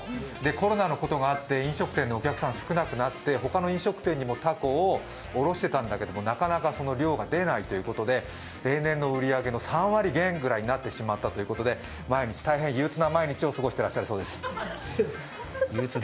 コロナのことがあって飲食店のお客さんが少なくなって、ほかの飲食店にもたこ卸してたんだけどなかなか漁に出れないということで例年の売り上げの３割減ぐらいになってしまったそうで大変憂うつな毎日を過ごしていらっしゃるそうです。